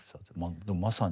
でもまさに。